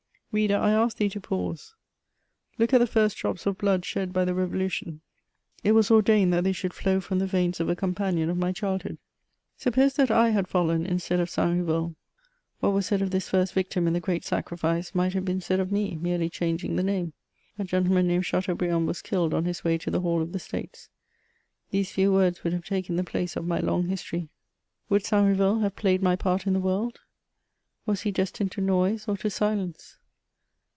Reader, I ask thee to pause : look at the first drops of blood shed by the Revolution. It was ordained that they should flow from tne veins of a companion of my childhood. Suppose that I had fallen instead of Saint Riveul what was said of this first victim in the gi'eat sacrifice, might have been said of me, merely chang ing the name: '* a gentleman named Chatecmhriand was killed on his way to the hall of the States." These few words would have taken the place of my long history. Would Saint Riveul vol.. I. Q 206 ^ HEMOIBS OF have played my part in the world ? Was he destined to lunse or to silence